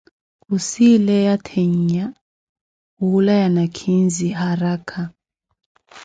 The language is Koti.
Khusileya thennhya hula ya nakhinzi, araka.